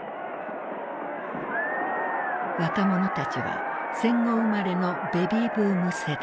若者たちは戦後生まれのベビーブーム世代。